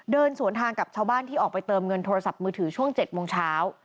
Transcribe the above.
เดินสวนทางกับชาวบ้านที่ออกไปเติมเงินโทรศัพท์มือถือช่วง๗โมงเช้า